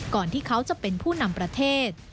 ที่เขาจะเป็นผู้นำประเทศ